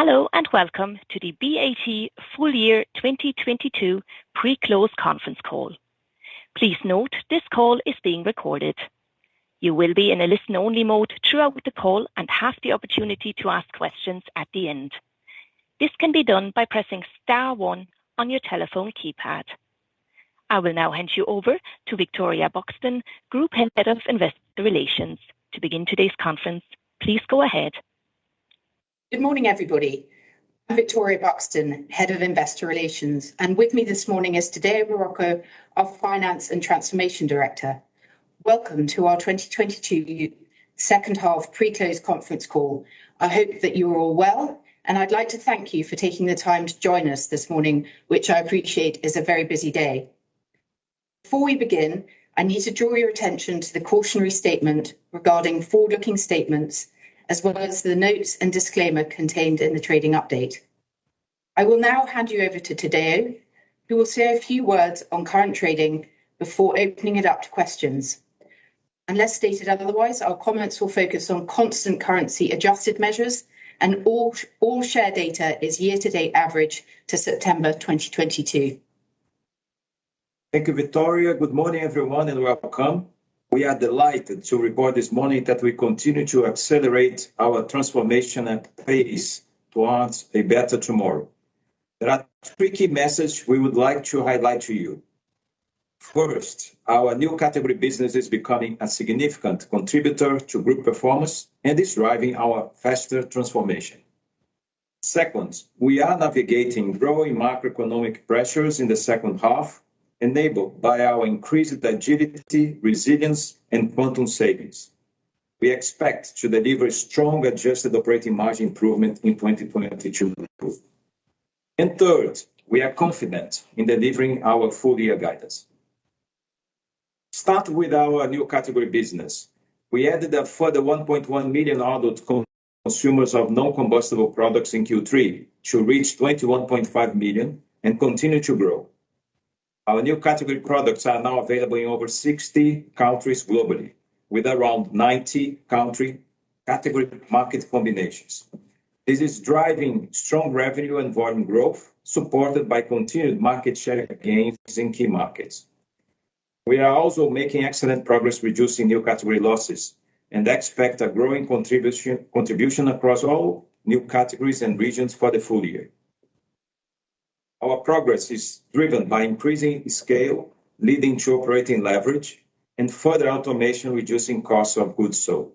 Hello and welcome to the BAT full year 2022 pre-close conference call. Please note this call is being recorded. You will be in a listen-only mode throughout the call and have the opportunity to ask questions at the end. This can be done by pressing star one on your telephone keypad. I will now hand you over to Victoria Buxton, Group Head of Investor Relations. To begin today's conference, please go ahead. Good morning, everybody. I'm Victoria Buxton, Head of Investor Relations. With me this morning is Tadeu Marroco, our Finance and Transformation Director. Welcome to our 2022 second half pre-close conference call. I hope that you are all well, and I'd like to thank you for taking the time to join us this morning, which I appreciate is a very busy day. Before we begin, I need to draw your attention to the cautionary statement regarding forward-looking statements, as well as the notes and disclaimer contained in the trading update. I will now hand you over to Tadeu, who will say a few words on current trading before opening it up to questions. Unless stated otherwise, our comments will focus on constant currency adjusted measures and all share data is year-to-date average to September 2022. Thank you, Victoria. Good morning, everyone, welcome. We are delighted to report this morning that we continue to accelerate our transformation and pace towards A Better Tomorrow. There are three key messages we would like to highlight to you. First, our new category business is becoming a significant contributor to group performance and is driving our faster transformation. Second, we are navigating growing macroeconomic pressures in the second half, enabled by our increased agility, resilience, and Quantum savings. We expect to deliver strong adjusted operating margin improvement in 2022. Third, we are confident in delivering our full-year guidance. Start with our new category business. We added a further 1.1 million ordered consumers of non-combustible products in Q3 to reach 21.5 million and continue to grow. Our new category products are now available in over 60 countries globally, with around 90 country category market combinations. This is driving strong revenue and volume growth, supported by continued market share gains in key markets. We are also making excellent progress reducing new category losses and expect a growing contribution across all new categories and regions for the full year. Our progress is driven by increasing scale, leading to operating leverage and further automation, reducing costs of goods sold.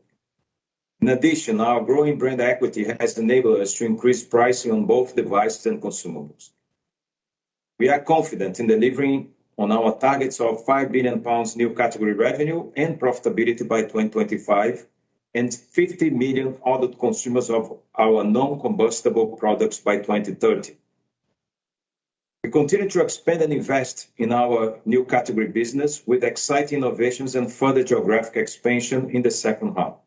In addition, our growing brand equity has enabled us to increase pricing on both devices and consumables. We are confident in delivering on our targets of 5 billion pounds new category revenue and profitability by 2025, and 50 million ordered consumers of our non-combustible products by 2030. We continue to expand and invest in our new category business with exciting innovations and further geographic expansion in the second half.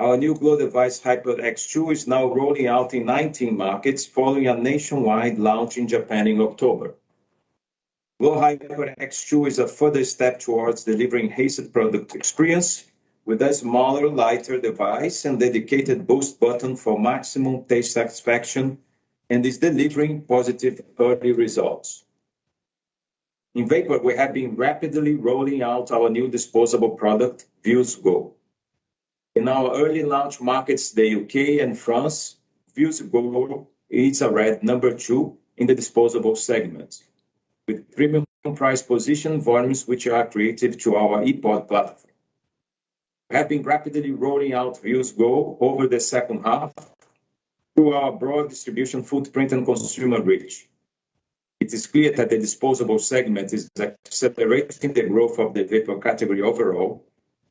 Our new glo device, Hyper X2, is now rolling out in 19 markets following a nationwide launch in Japan in October. glo Hyper X2 is a further step towards delivering heated product experience with a smaller, lighter device and dedicated boost button for maximum taste satisfaction and is delivering positive early results. In vapor, we have been rapidly rolling out our new disposable product, Vuse Go. In our early launch markets, the U.K. and France, Vuse Go is already number two in the disposable segment. With premium price position volumes which are accretive to our ePod platform. We have been rapidly rolling out Vuse Go over the second half through our broad distribution footprint and consumer reach. It is clear that the disposable segment is accelerating the growth of the vapor category overall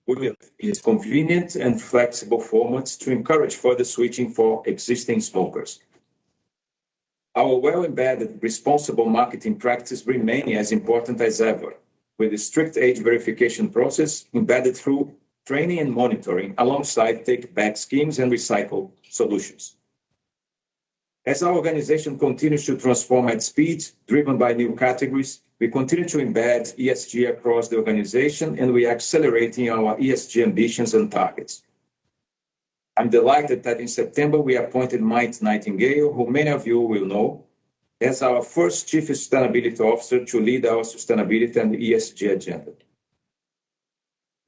with its convenient and flexible formats to encourage further switching for existing smokers. Our well-embedded responsible marketing practices remain as important as ever, with a strict age verification process embedded through training and monitoring alongside take-back schemes and recycle solutions. As our organization continues to transform at speed driven by new categories, we continue to embed ESG across the organization, and we are accelerating our ESG ambitions and targets. I'm delighted that in September we appointed Mike Nightingale, who many of you will know, as our first Chief Sustainability Officer to lead our sustainability and ESG agenda.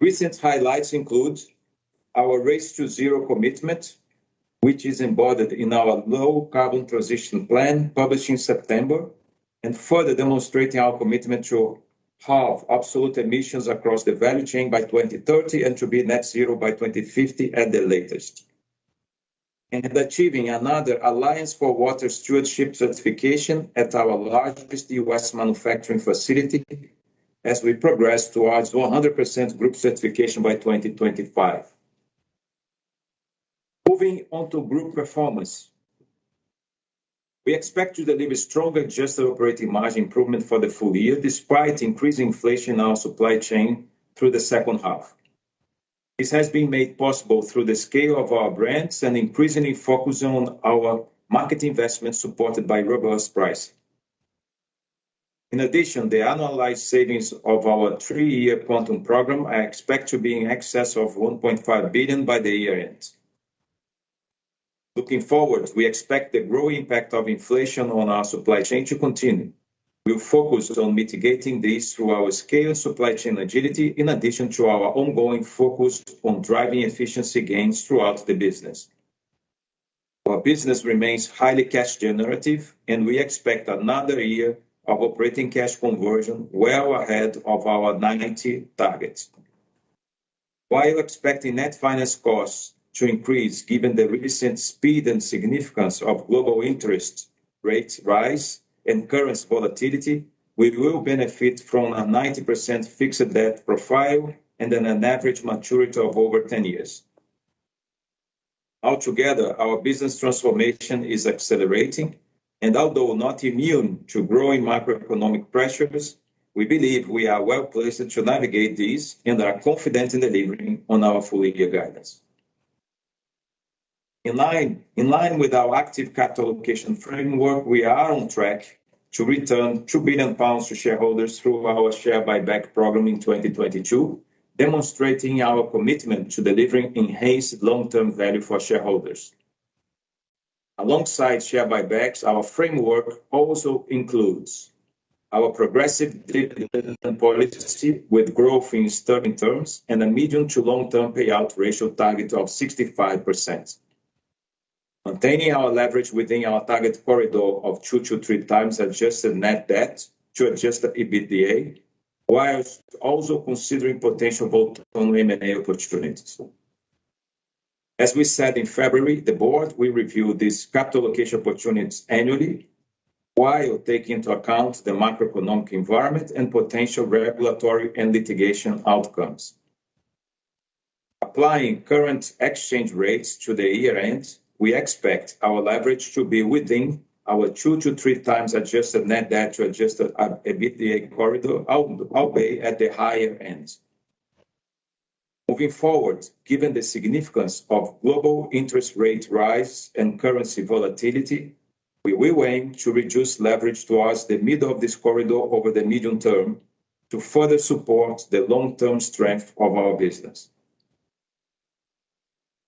Recent highlights include our Race to Zero commitment, which is embodied in our low carbon transition plan published in September, and further demonstrating our commitment to halve absolute emissions across the value chain by 2030 and to be net zero by 2050 at the latest. Achieving another Alliance for Water Stewardship certification at our largest U.S. manufacturing facility as we progress towards 100% group certification by 2025. Moving on to group performance. We expect to deliver stronger adjusted operating margin improvement for the full year, despite increased inflation in our supply chain through the second half. This has been made possible through the scale of our brands and increasingly focus on our market investments, supported by robust pricing. In addition, the annualized savings of our three-year Quantum program are expect to be in excess of 1.5 billion by the year-end. Looking forward, we expect the growing impact of inflation on our supply chain to continue. We're focused on mitigating this through our scale and supply chain agility, in addition to our ongoing focus on driving efficiency gains throughout the business. Our business remains highly cash generative. We expect another year of operating cash conversion well ahead of our 90 targets. While expecting net finance costs to increase given the recent speed and significance of global interest rates rise and currency volatility, we will benefit from a 90% fixed debt profile and an average maturity of over 10 years. Altogether, our business transformation is accelerating. Although not immune to growing macroeconomic pressures, we believe we are well-placed to navigate these and are confident in delivering on our full-year guidance. In line with our active capital allocation framework, we are on track to return 2 billion pounds to shareholders through our share buyback program in 2022, demonstrating our commitment to delivering enhanced long-term value for shareholders. Alongside share buybacks, our framework also includes our progressive dividend policy with growth in sterling terms and a medium to long-term payout ratio target of 65%. Maintaining our leverage within our target corridor of 2x-3x adjusted net debt to adjusted EBITDA, while also considering potential bolt-on M&A opportunities. As we said in February, the board will review these capital allocation opportunities annually while taking into account the macroeconomic environment and potential regulatory and litigation outcomes. Applying current exchange rates to the year-end, we expect our leverage to be within our 2x-3x adjusted net debt to adjusted EBITDA corridor, outway at the higher end. Moving forward, given the significance of global interest rate rise and currency volatility, we will aim to reduce leverage towards the middle of this corridor over the medium-term to further support the long-term strength of our business.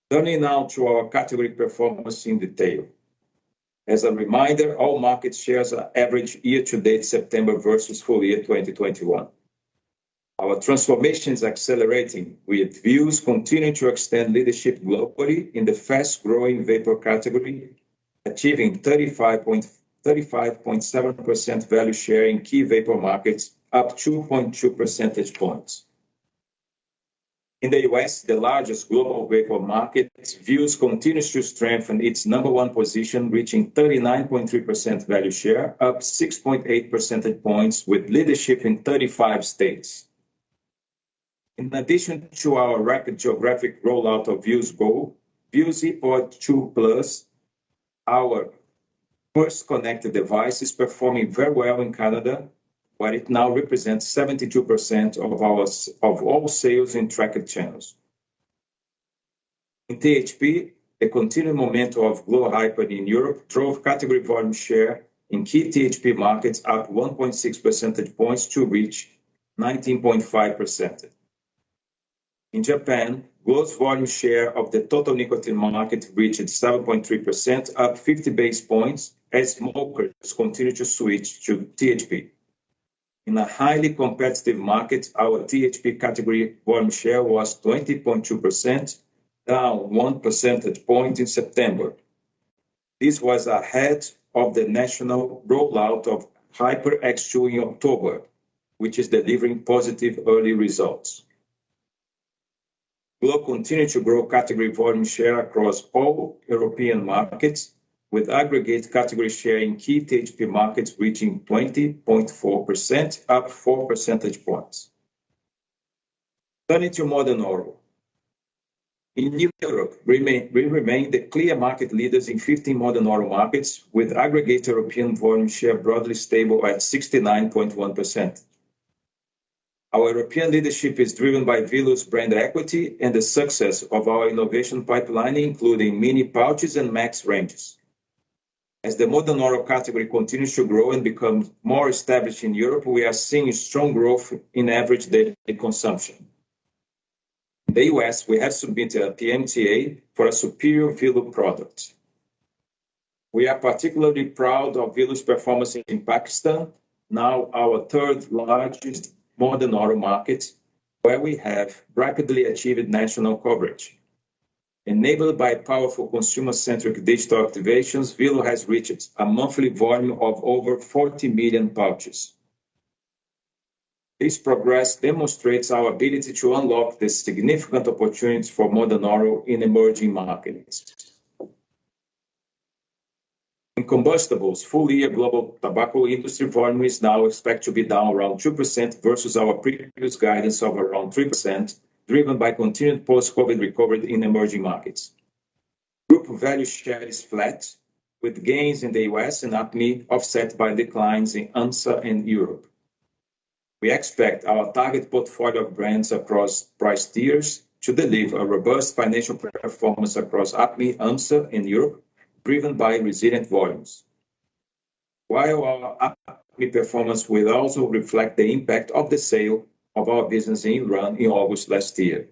Turning now to our category performance in detail. As a reminder, all market shares are average year to date September versus full year 2021. Our transformation is accelerating, with Vuse continuing to extend leadership globally in the fast-growing vapor category, achieving 35.7% value share in key vapor markets, up 2.2 percentage points. In the U.S., the largest global vapor market, Vuse continues to strengthen its number one position, reaching 39.3% value share, up 6.8 percentage points, with leadership in 35 states. In addition to our rapid geographic rollout of Vuse Go, Vuse ePod 2+, our first connected device, is performing very well in Canada, where it now represents 72% of all sales in tracked channels. In THP, the continuing momentum of glo Hyper in Europe drove category volume share in key THP markets up 1.6 percentage points to reach 19.5%. In Japan, glo's volume share of the total nicotine market reached 7.3%, up 50 basis points, as smokers continue to switch to THP. In a highly competitive market, our THP category volume share was 20.2%, down 1 percentage point in September. This was ahead of the national rollout of Hyper X2 in October, which is delivering positive early results. Glo continued to grow category volume share across all European markets, with aggregate category share in key THP markets reaching 20.4%, up 4 percentage points. Turning to modern oral. In Europe, we remain the clear market leaders in 50 modern oral markets, with aggregate European volume share broadly stable at 69.1%. Our European leadership is driven by Velo's brand equity and the success of our innovation pipeline, including mini pouches and max ranges. As the modern oral category continues to grow and becomes more established in Europe, we are seeing strong growth in average daily consumption. In the U.S., we have submitted a PMTA for a superior Velo product. We are particularly proud of Velo's performance in Pakistan, now our third-largest modern oral market, where we have rapidly achieved national coverage. Enabled by powerful consumer-centric digital activations, Velo has reached a monthly volume of over 40 million pouches. This progress demonstrates our ability to unlock the significant opportunities for modern oral in emerging markets. In combustibles, full-year global tobacco industry volume is now expected to be down around 2% versus our previous guidance of around 3%, driven by continued post-COVID recovery in emerging markets. Group value share is flat, with gains in the U.S. and APMEA offset by declines in ANZA and Europe. We expect our target portfolio of brands across price tiers to deliver a robust financial performance across APMEA, Americas, and Europe, driven by resilient volumes. While our APMEA performance will also reflect the impact of the sale of our business in Iran in August last year.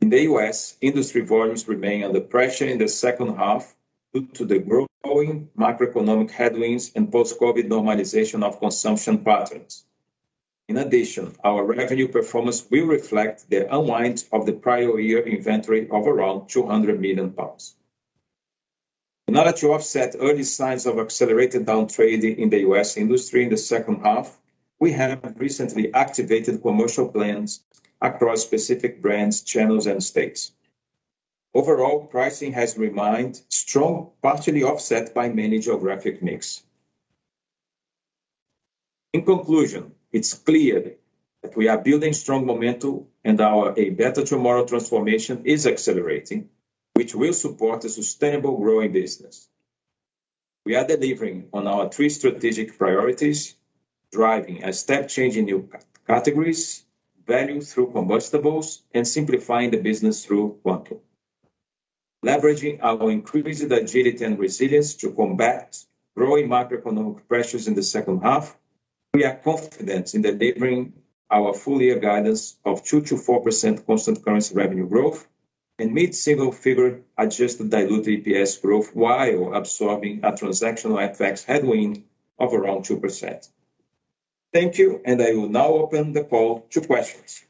In the U.S., industry volumes remain under pressure in the second half due to the growing macroeconomic headwinds and post-COVID normalization of consumption patterns. In addition, our revenue performance will reflect the unwind of the prior year inventory of around 200 million pounds. To offset early signs of accelerated downtrading in the U.S. industry in the second half, we have recently activated commercial plans across specific brands, channels, and states. Overall, pricing has remained strong, partially offset by manage geographic mix. In conclusion, it's clear that we are building strong momentum and our A Better Tomorrow transformation is accelerating, which will support a sustainable growing business. We are delivering on our three strategic priorities, driving a step change in new categories, value through combustibles, and simplifying the business through Quantum. Leveraging our increased agility and resilience to combat growing macroeconomic pressures in the second half, we are confident in delivering our full year guidance of 2%-4% constant currency revenue growth and mid-single figure adjusted diluted EPS growth while absorbing a transactional effects headwind of around 2%. Thank you. I will now open the call to questions.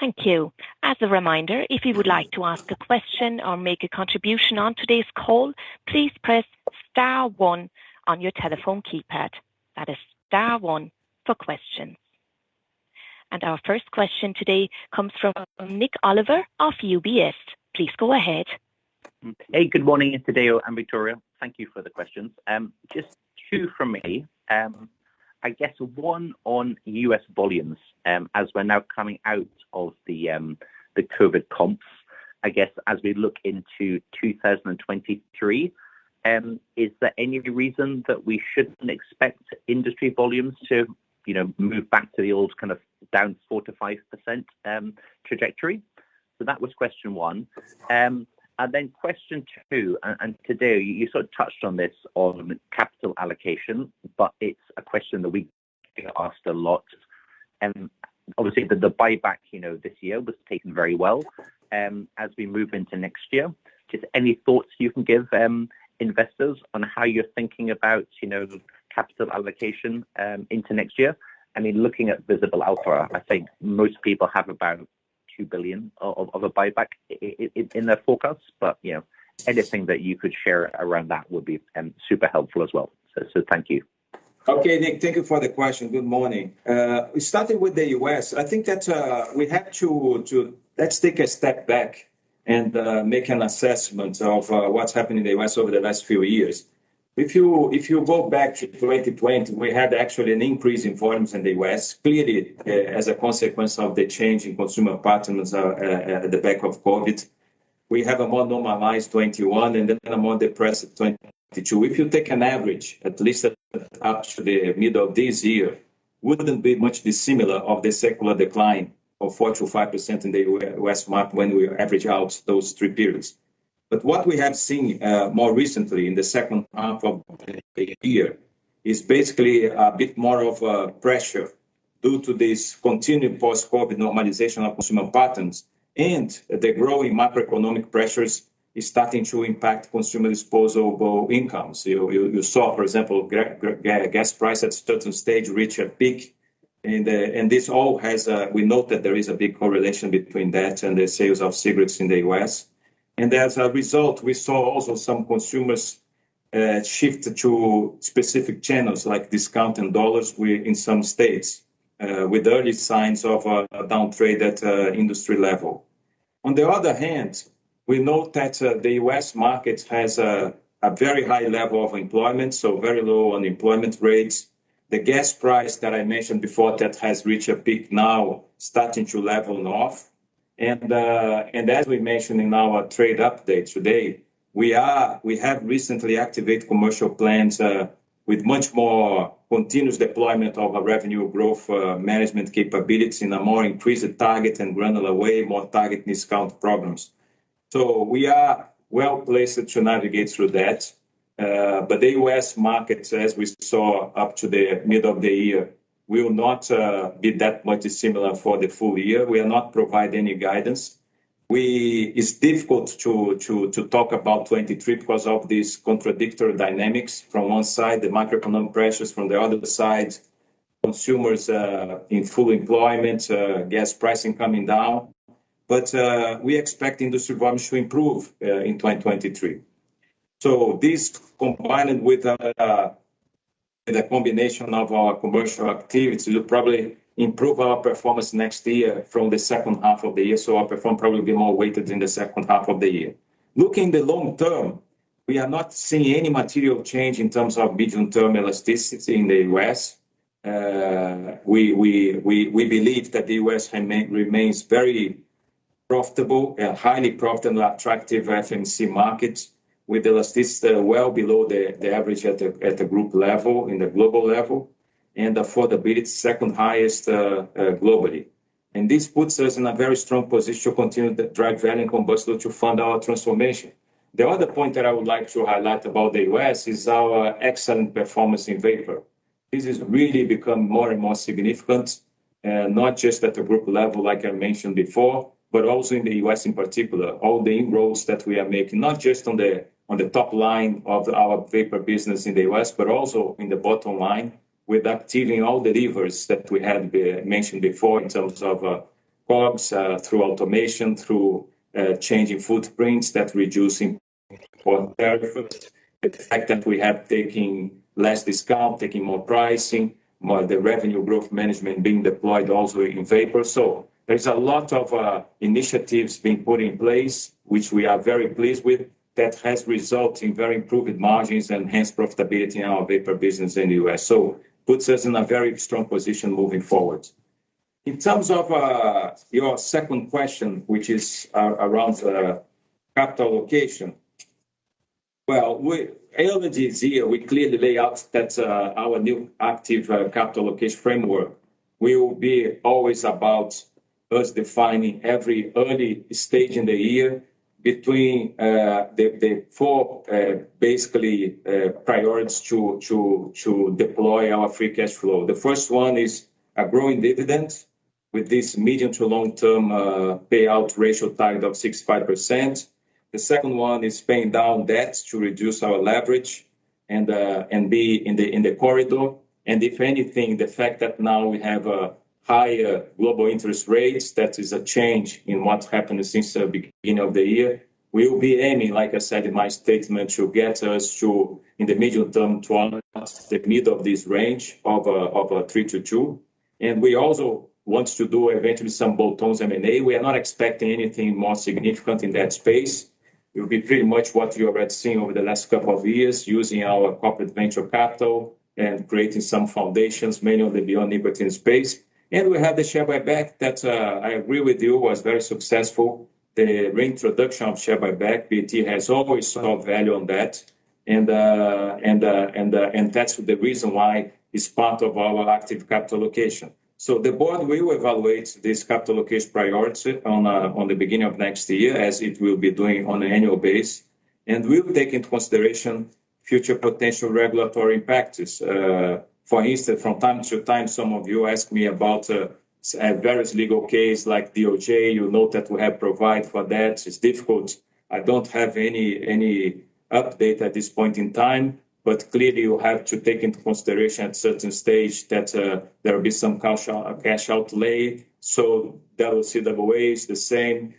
Thank you. As a reminder, if you would like to ask a question or make a contribution on today's call, please press star one on your telephone keypad. That is star one for questions. Our first question today comes from Nik Oliver of UBS. Please go ahead. Hey, good morning, Tadeu and Victoria. Thank you for the questions. Just two from me. I guess one on U.S. volumes, as we're now coming out of the COVID comps. I guess as we look into 2023, is there any reason that we shouldn't expect industry volumes to, you know, move back to the old kind of down 4%-5% trajectory? That was question one. Question two, Tadeu, you sort of touched on this, on capital allocation, but it's a question that we get asked a lot. Obviously the buyback, you know, this year was taken very well. As we move into next year, just any thoughts you can give investors on how you're thinking about, you know, capital allocation into next year? I mean, looking at Visible Alpha, I think most people have about 2 billion of a buyback in their forecast. You know, anything that you could share around that would be super helpful as well. Thank you. Okay, Nik, thank you for the question. Good morning. Starting with the U.S., I think that we have to. Let's take a step back and make an assessment of what's happened in the U.S. over the last few years. If you go back to 2020, we had actually an increase in volumes in the U.S., clearly, as a consequence of the change in consumer patterns at the back of COVID. We have a more normalized 2021 and then a more depressive 2022. If you take an average, at least up to the middle of this year, wouldn't be much dissimilar of the secular decline of 4%-5% in the U.S. market when we average out those three periods. What we have seen, more recently in the second half of the year is basically a bit more of a pressure due to this continued post-COVID normalization of consumer patterns and the growing macroeconomic pressures is starting to impact consumer disposable incomes. You saw, for example, gas prices at certain stage reach a peak, and this all has a. We note that there is a big correlation between that and the sales of cigarettes in the U.S. As a result, we saw also some consumers shift to specific channels like discount and dollars in some states, with early signs of a downtrade at industry level. On the other hand, we know that the U.S. market has a very high level of employment, so very low unemployment rates. The gas price that I mentioned before that has reached a peak now starting to leveling off. As we mentioned in our trade update today, we have recently activated commercial plans with much more continuous deployment of a revenue growth management capability in a more increased target and granular way, more target discount problems. We are well-placed to navigate through that. The U.S. market, as we saw up to the mid of the year, will not be that much similar for the full year. We are not providing any guidance. It's difficult to talk about 2023 because of these contradictory dynamics. From one side, the macroeconomic pressures, from the other side, consumers in full employment, gas pricing coming down. We expect industry volumes to improve in 2023. This, combined with the combination of our commercial activity will probably improve our performance next year from the second half of the year. Our perform probably be more weighted in the second half of the year. Looking the long-term, we are not seeing any material change in terms of medium-term elasticity in the U.S. We believe that the U.S. remains very profitable and highly profitable, attractive FMC markets with elasticity well below the average at the group level, in the global level and affordability second highest globally. This puts us in a very strong position to continue to drive value and combustion to fund our transformation. The other point that I would like to highlight about the U.S. is our excellent performance in vapor. This has really become more and more significant, not just at the group level, like I mentioned before, but also in the U.S. in particular. All the inroads that we are making, not just on the, on the top line of our vapor business in the U.S., but also in the bottom line with activating all the levers that we had mentioned before in terms of COGS, through automation, through changing footprints that's reducing 430 ft. The fact that we have taken less discount, taking more pricing, more the revenue growth management being deployed also in vapor. There's a lot of initiatives being put in place, which we are very pleased with, that has resulted in very improved margins and hence profitability in our vapor business in the U.S. Puts us in a very strong position moving forward. In terms of your second question, which is around the capital location. Well, [with ALGZ], we clearly lay out that our new active capital location framework will be always about us defining every early stage in the year between the four basically priorities to deploy our free cash flow. The first one is a growing dividend with this medium to long-term payout ratio target of 65%. The second one is paying down debts to reduce our leverage and be in the corridor. If anything, the fact that now we have a higher global interest rates, that is a change in what's happened since the beginning of the year. We'll be aiming, like I said in my statement, to get us to, in the medium-term, to the middle of this range of three to two. We also want to do eventually some bolt-ons M&A. We are not expecting anything more significant in that space. It will be pretty much what you have already seen over the last couple of years using our corporate venture capital and creating some foundations, many of them beyond nicotine space. We have the share buyback that I agree with you, was very successful. The reintroduction of share buyback, BAT has always saw value on that. That's the reason why it's part of our active capital location. The board will evaluate this capital location priority on the beginning of next year, as it will be doing on an annual basis. We will take into consideration future potential regulatory impacts. For instance, from time to time, some of you ask me about various legal case like DOJ. You know that we have provided for that. It's difficult. I don't have any update at this point in time, but clearly you have to take into consideration at certain stage that there will be some cash out-cash outlay. That will see double A is the same.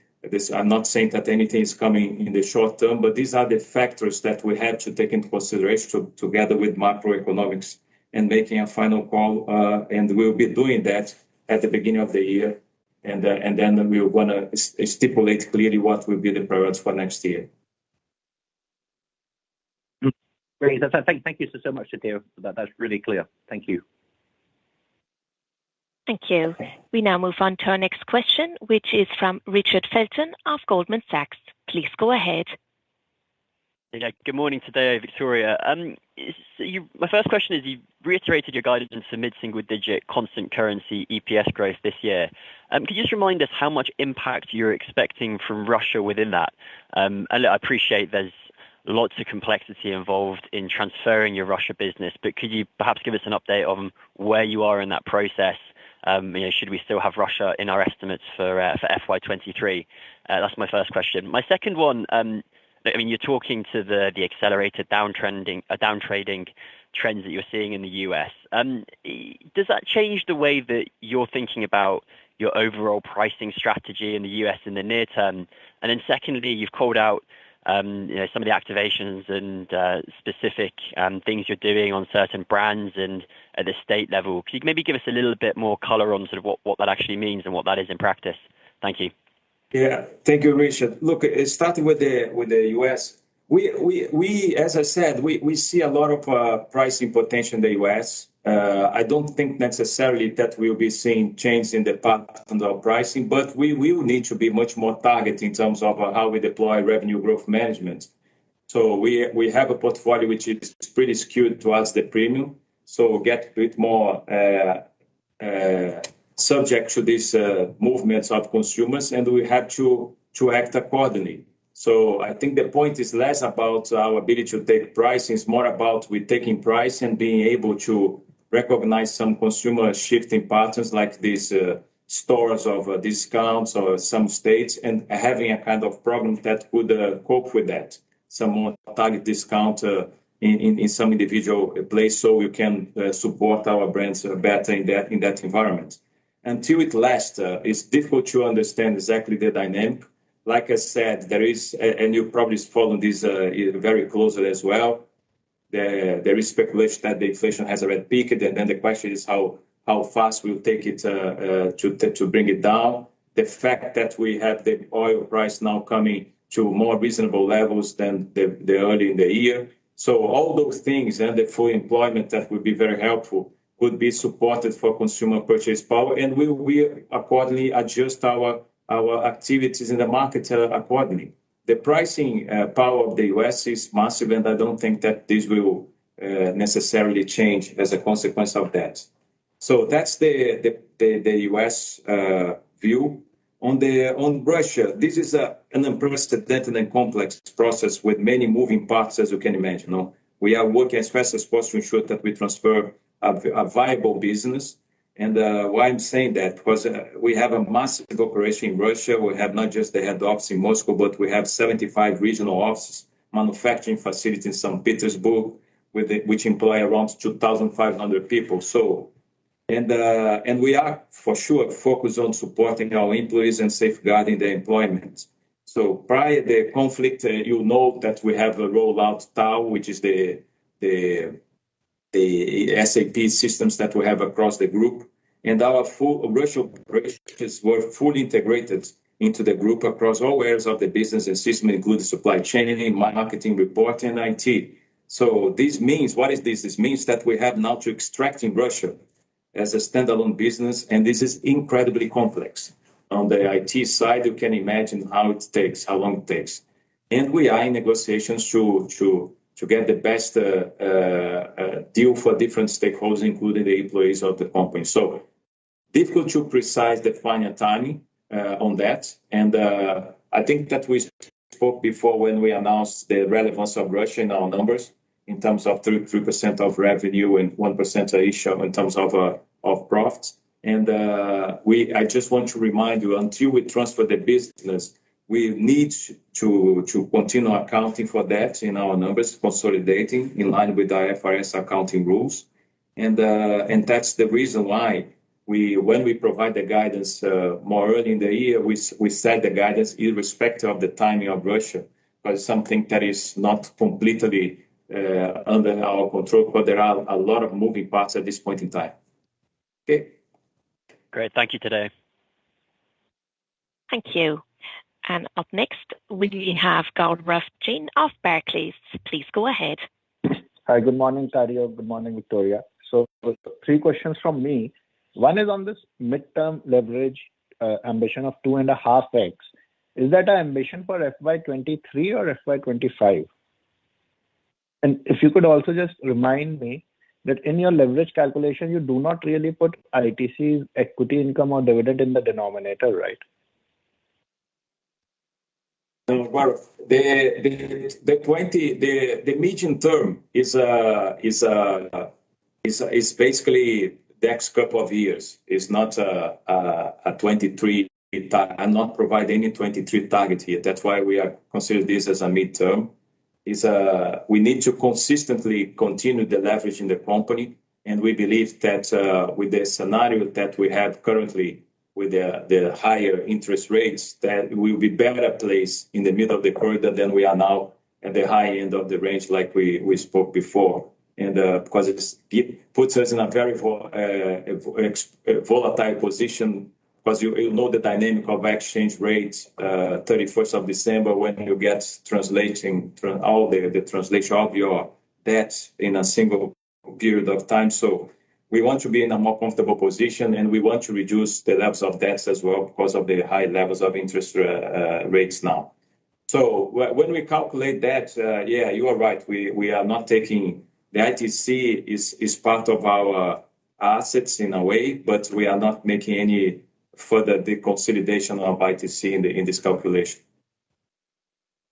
I'm not saying that anything is coming in the short-term, but these are the factors that we have to take into consideration together with macroeconomics and making a final call. We'll be doing that at the beginning of the year. We wanna stipulate clearly what will be the priorities for next year. Great. Thank you so much, Tadeu, for that. That's really clear. Thank you. Thank you. We now move on to our next question, which is from Richard Felton of Goldman Sachs. Please go ahead. Good morning today, Victoria. My first question is, you reiterated your guidance in some mid-single-digit constant currency EPS growth this year. Could you just remind us how much impact you're expecting from Russia within that? I appreciate there's lots of complexity involved in transferring your Russia business, could you perhaps give us an update on where you are in that process? You know, should we still have Russia in our estimates for FY 2023? That's my first question. My second one, I mean, you're talking to the accelerated downtrading trends that you're seeing in the U.S. Does that change the way that you're thinking about your overall pricing strategy in the U.S. in the near-term? Then secondly, you've called out, you know, some of the activations and specific things you're doing on certain brands and at the state level. Could you maybe give us a little bit more color on sort of what that actually means and what that is in practice? Thank you. Yeah. Thank you, Richard. Look, starting with the U.S., as I said, we see a lot of pricing potential in the U.S. I don't think necessarily that we'll be seeing change in the patterns of pricing, we will need to be much more targeted in terms of how we deploy revenue growth management. We have a portfolio which is pretty skewed towards the premium, get a bit more subject to these movements of consumers, we have to act accordingly. I think the point is less about our ability to take pricing. It's more about we taking price and being able to recognize some consumer shifting patterns like these, stores of discounts or some states, having a kind of problem that could cope with that. Some more target discount in some individual place, so we can support our brands better in that environment. To it last, it's difficult to understand exactly the dynamic. Like I said, there is and you probably follow this very closely as well. There is speculation that the inflation has already peaked, then the question is how fast we'll take it to bring it down. The fact that we have the oil price now coming to more reasonable levels than earlier in the year. All those things and the full employment that would be very helpful could be supported for consumer purchase power, and we accordingly adjust our activities in the market accordingly. The pricing power of the U.S. is massive, and I don't think that this will necessarily change as a consequence of that. That's the U.S. view. On Russia, this is an unprecedented and complex process with many moving parts, as you can imagine, no? We are working as fast as possible to ensure that we transfer a viable business. Why I'm saying that, because we have a massive operation in Russia. We have not just the head office in Moscow, but we have 75 regional offices, manufacturing facility in Saint Petersburg which employ around 2,500 people. We are for sure focused on supporting our employees and safeguarding their employment. Prior the conflict, you know that we have a rollout now, which is the SAP systems that we have across the group. Our full Russian operations were fully integrated into the group across all areas of the business and system, including supply chain, marketing, report, and IT. What is this? This means that we have now to extract in Russia as a standalone business, and this is incredibly complex. On the IT side, you can imagine how long it takes. We are in negotiations to get the best deal for different stakeholders, including the employees of the company. Difficult to precise the final timing on that. I think that we spoke before when we announced the relevance of Russia in our numbers in terms of 3% of revenue and 1% EBIT in terms of profit. I just want to remind you, until we transfer the business, we need to continue accounting for that in our numbers, consolidating in line with IFRS accounting rules. That's the reason why when we provide the guidance more early in the year, we set the guidance irrespective of the timing of Russia, but something that is not completely under our control, but there are a lot of moving parts at this point in time. Great. Thank you, Tadeu. Thank you. Up next, we have Gaurav Jain of Barclays. Please go ahead. Hi. Good morning, Tadeu. Good morning, Victoria. Three questions from me. One is on this midterm leverage ambition of 2.5x. Is that an ambition for FY 2023 or FY 2025? If you could also just remind me that in your leverage calculation, you do not really put ITC equity income or dividend in the denominator, right? Gaurav, the medium-term is basically the next couple of years. It's not a 2023 target. I'm not providing any 2023 target here. That's why we are considering this as a midterm. It's, we need to consistently continue the leverage in the company, and we believe that, with the scenario that we have currently with higher interest rates, that we'll be better placed in the middle of the corridor than we are now at the high end of the range like we spoke before. Because it puts us in a very volatile position because you know the dynamic of exchange rates, 31st of December when you get translating through all the translation of your debt in a single period of time. We want to be in a more comfortable position, and we want to reduce the levels of debts as well because of the high levels of interest rates now. When we calculate that, yeah, you are right. We are not taking... The ITC is part of our assets in a way, but we are not making any further deconsolidation of ITC in this calculation.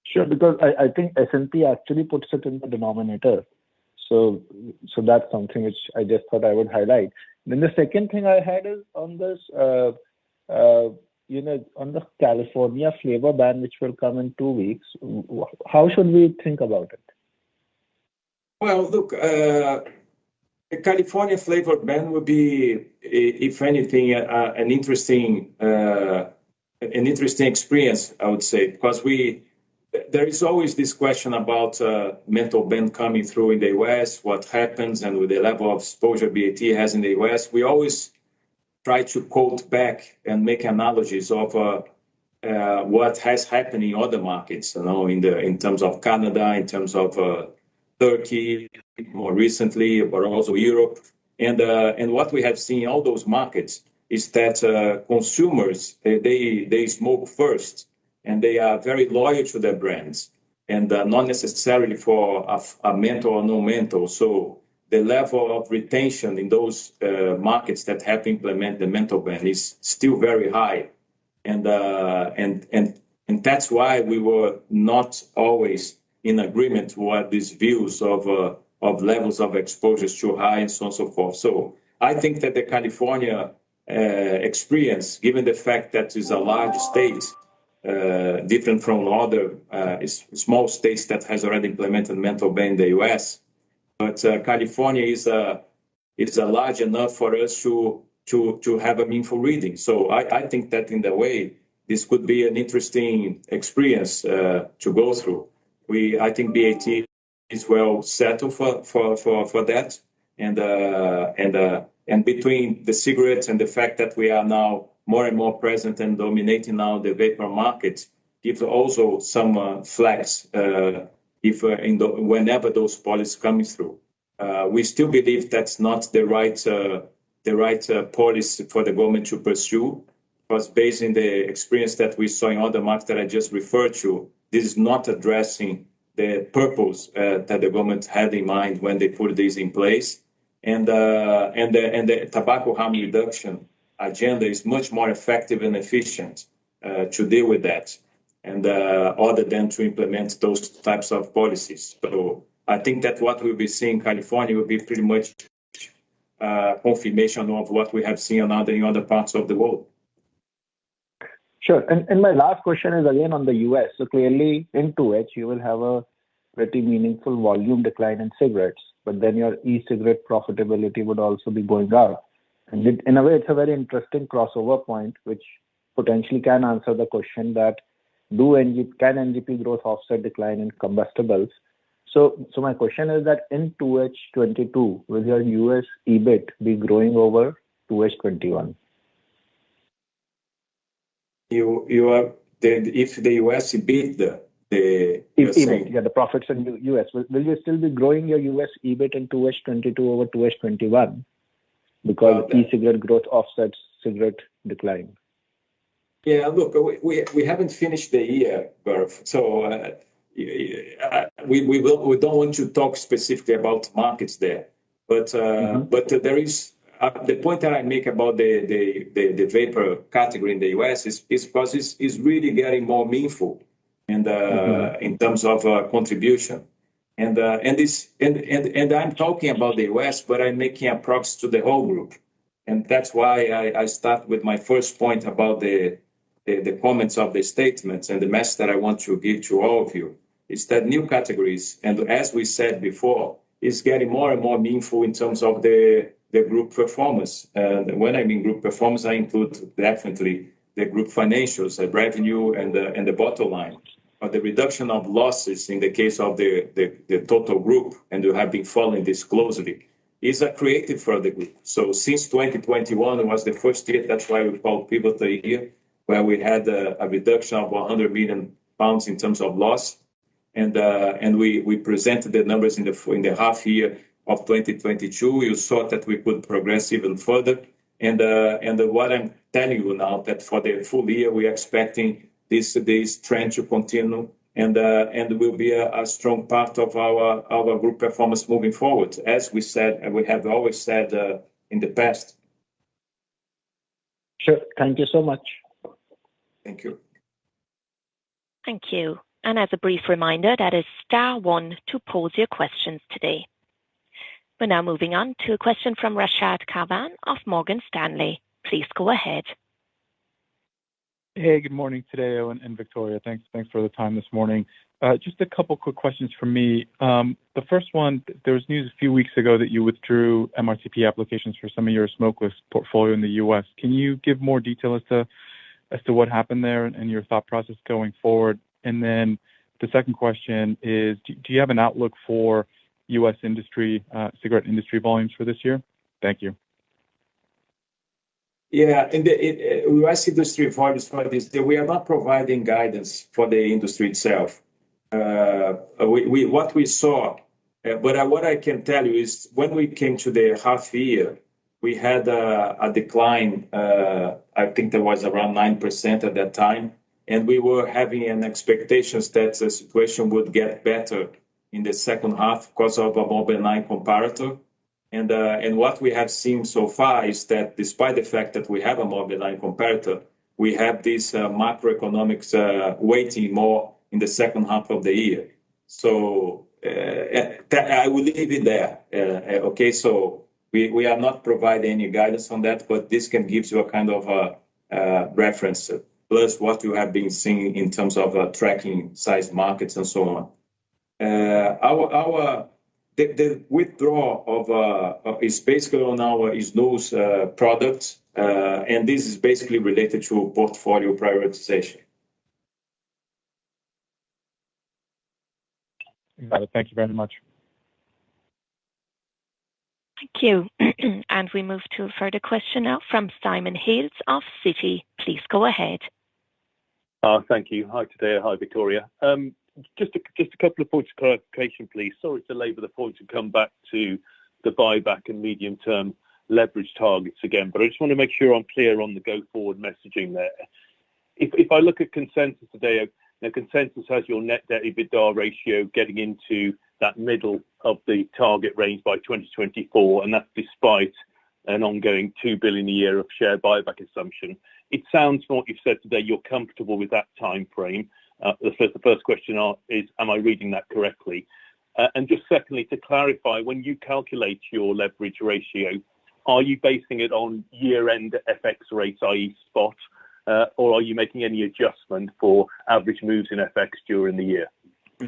Sure, because I think S&P actually puts it in the denominator. That's something which I just thought I would highlight. The second thing I had is on this, you know, on the California flavor ban which will come in two weeks, how should we think about it? Well, look, the California flavored ban would be if anything, an interesting, an interesting experience, I would say, because we. There is always this question about menthol ban coming through in the U.S., what happens, and with the level of exposure BAT has in the U.S. We always try to quote back and make analogies of what has happened in other markets, you know, in terms of Canada, in terms of Turkey more recently, but also Europe. What we have seen in all those markets is that consumers, they smoke first, and they are very loyal to their brands, and not necessarily for a menthol or non-menthol. The level of retention in those markets that have implemented the menthol ban is still very high. That's why we were not always in agreement with these views of levels of exposures too high and so on and so forth. I think that the California experience, given the fact that it's a large state, different from other small states that has already implemented menthol ban in the U.S. California is large enough for us to have a meaningful reading. I think that in the way, this could be an interesting experience to go through. I think BAT is well settled for that. Between the cigarettes and the fact that we are now more and more present and dominating now the vapor market gives also some flags, if whenever those policies coming through. We still believe that's not the right, the right policy for the government to pursue. Based on the experience that we saw in other markets that I just referred to, this is not addressing the purpose that the government had in mind when they put this in place. The tobacco harm reduction agenda is much more effective and efficient to deal with that and other than to implement those types of policies. I think that what we'll be seeing in California will be pretty much confirmation of what we have seen in other parts of the world. Sure. My last question is again, on the U.S. Clearly in 2H you will have a pretty meaningful volume decline in cigarettes, but then your e-cigarette profitability would also be going down. In a way it's a very interesting crossover point, which potentially can answer the question that can NGP growth offset decline in combustibles? My question is that in 2H 2022, will your U.S. EBIT be growing over 2H 2021? You are... That if the U.S. EBIT, the... EBIT, yeah. The profits in U.S. Will you still be growing your U.S. EBIT in 2H 2022 over 2H 2021 because e-cigarette growth offsets cigarette decline? Look, we haven't finished the year, Gaurav, so we don't want to talk specifically about markets there. There is the point that I make about the vapor category in the U.S. is plus is really getting more meaningful. In terms of contribution. This, I'm talking about the U.S., but I'm making a promise to the whole group, and that's why I start with my first point about the comments of the statements and the message that I want to give to all of you is that new categories, and as we said before, is getting more and more meaningful in terms of the group performance. When I mean group performance, I include definitely the group financials, the revenue and the bottom line. The reduction of losses in the case of the total group, and you have been following this closely, is creative for the group. Since 2021 was the first year, that's why we call pivot a year, where we had a reduction of 100 million pounds in terms of loss and we presented the numbers in the half year of 2022. You saw that we could progress even further. What I'm telling you now that for the full year we are expecting this trend to continue and will be a strong part of our group performance moving forward as we said, and we have always said in the past. Sure. Thank you so much. Thank you. Thank you. As a brief reminder, that is star one to pose your questions today. We're now moving on to a question from Rashad Kawan of Morgan Stanley. Please go ahead. Hey, good morning Tadeu and Victoria. Thanks for the time this morning. Just a couple quick questions from me. The first one, there was news a few weeks ago that you withdrew MRTP applications for some of your smokeless portfolio in the U.S. Can you give more detail as to what happened there and your thought process going forward? The second question is, do you have an outlook for U.S. industry cigarette industry volumes for this year? Thank you. Yeah. In the, in U.S. industry volumes for this, we are not providing guidance for the industry itself. What we saw, but what I can tell you is when we came to the half year, we had a decline, I think there was around 9% at that time, and we were having an expectation that the situation would get better in the second half 'cause of a more benign comparator. What we have seen so far is that despite the fact that we have a more benign comparator, we have this macroeconomics waiting more in the second half of the year. That I will leave it there. Okay. We are not providing any guidance on that, but this can give you a kind of a reference plus what you have been seeing in terms of tracking size markets and so on. Our... The withdraw is basically on our is those products. This is basically related to portfolio prioritization. Got it. Thank you very much. Thank you. We move to a further question now from Simon Hales of Citi. Please go ahead. Thank you. Hi, Tadeu. Hi, Victoria. Just a couple of points of clarification, please. Sorry to labor the point and come back to the buyback and medium-term leverage targets again, but I just wanna make sure I'm clear on the go-forward messaging there. If I look at consensus today, the consensus has your net debt EBITDA ratio getting into that middle of the target range by 2024, and that's despite an ongoing 2 billion a year of share buyback assumption. It sounds from what you've said today, you're comfortable with that timeframe. The first question is am I reading that correctly? Just secondly, to clarify, when you calculate your leverage ratio, are you basing it on year-end FX rates, i.e. spot, or are you making any adjustment for average moves in FX during the year?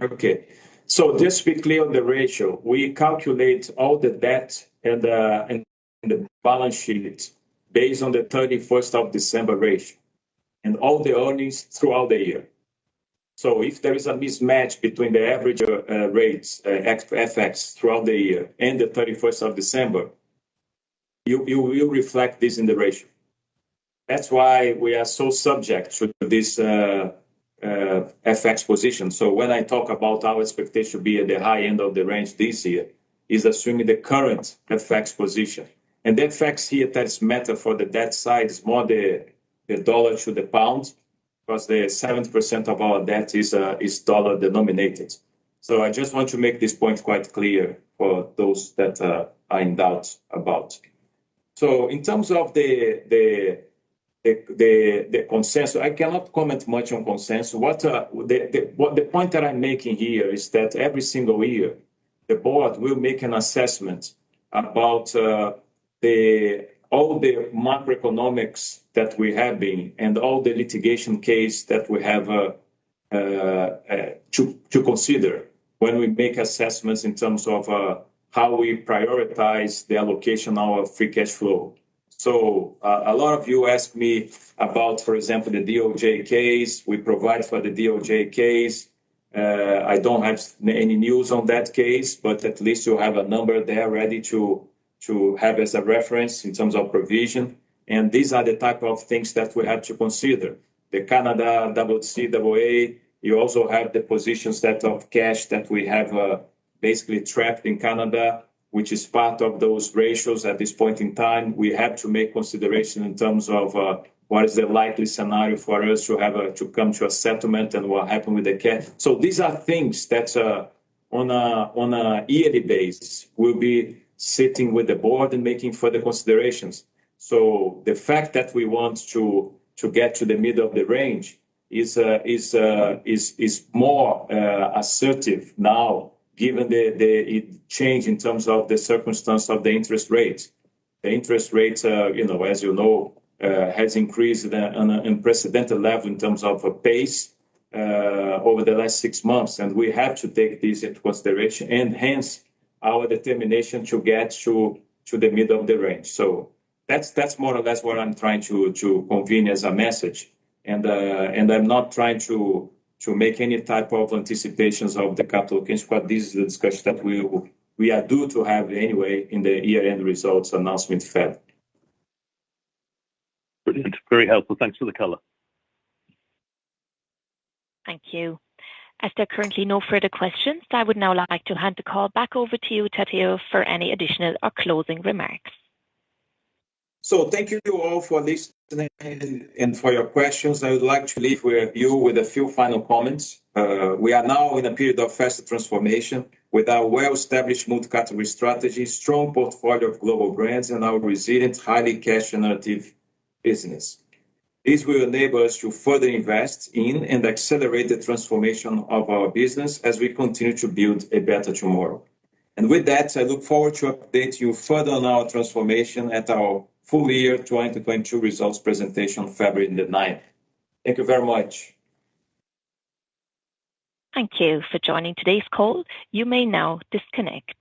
Okay. Just to be clear on the ratio, we calculate all the debt and the balance sheets based on the 31st of December ratio and all the earnings throughout the year. If there is a mismatch between the average rates ex-FX throughout the year and the 31st of December. You reflect this in the ratio. That's why we are so subject to this FX position. When I talk about our expectation being at the high end of the range this year, is assuming the current FX position. The FX here that's matter for the debt side is more the dollar to the pound because the 7% of our debt is dollar denominated. I just want to make this point quite clear for those that are in doubt about. In terms of the consensus, I cannot comment much on consensus. What the point that I'm making here is that every single year the board will make an assessment about all the macroeconomics that we have been and all the litigation case that we have to consider when we make assessments in terms of how we prioritize the allocation of our free cash flow. A lot of you ask me about, for example, the DOJ case. We provide for the DOJ case. I don't have any news on that case, but at least you have a number there ready to have as a reference in terms of provision. These are the type of things that we have to consider. The Canada CCAA. You also have the positions that of cash that we have basically trapped in Canada, which is part of those ratios at this point in time. We have to make consideration in terms of what is the likely scenario for us to come to a settlement and what happen with the cash. These are things that on a yearly basis, we'll be sitting with the board and making further considerations. The fact that we want to get to the middle of the range is more assertive now given the change in terms of the circumstance of the interest rates. The interest rates, you know, as you know, has increased at an unprecedented level in terms of a pace over the last six months. We have to take this into consideration and hence our determination to get to the middle of the range. That's more or less what I'm trying to convene as a message. I'm not trying to make any type of anticipations of the capital gains, but this is a discussion that we are due to have anyway in the year-end results announcement in February. Brilliant. Very helpful. Thanks for the color. Thank you. As there are currently no further questions, I would now like to hand the call back over to you, Tadeu, for any additional or closing remarks. Thank you to all for listening and for your questions. I would like to leave with you with a few final comments. We are now in a period of faster transformation with our well-established multi-category strategy, strong portfolio of global brands, and our resilient, highly cash generative business. This will enable us to further invest in and accelerate the transformation of our business as we continue to build A Better Tomorrow. With that, I look forward to update you further on our transformation at our full year 2022 results presentation on February 9. Thank you very much. Thank you for joining today's call. You may now disconnect.